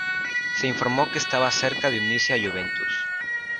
Se informó que estaba cerca de unirse a Juventus.